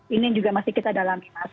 ini juga masih kita dalami mas